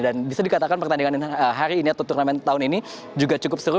dan bisa dikatakan pertandingan hari ini atau turnamen tahun ini juga cukup seru